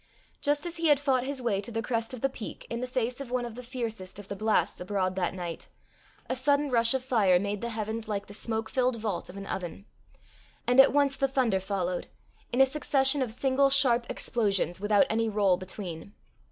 Just as he had fought his way to the crest of the peak in the face of one of the fiercest of the blasts abroad that night, a sudden rush of fire made the heavens like the smoke filled vault of an oven, and at once the thunder followed, in a succession of single sharp explosions without any roll between.